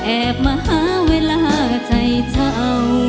แอบมาหาเวลอาใจเธอ